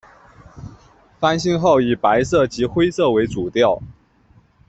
翻新后以白色及灰色为主调。